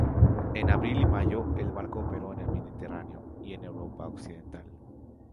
En abril y mayo, el barco operó en el Mediterráneo y en Europa Occidental.